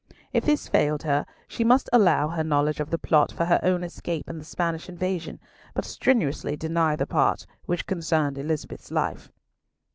If this failed her, she must allow her knowledge of the plot for her own escape and the Spanish invasion, but strenuously deny the part which concerned Elizabeth's life.